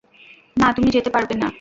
না, তুমি যেতে পারবে না।